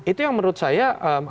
itu yang menurut saya